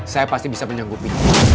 saya pasti bisa menyanggupi